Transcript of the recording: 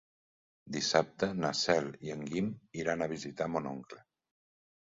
Dissabte na Cel i en Guim iran a visitar mon oncle.